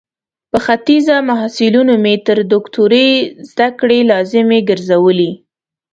په خځینه محصلینو مې تر دوکتوری ذدکړي لازمي ګرزولي